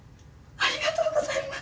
ありがとうございます。